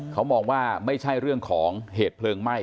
เขามองว่าไม่ใช่เรื่องของเหตุเพลิงไหม้